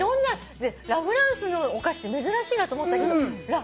ラフランスのお菓子って珍しいなって思ったけど。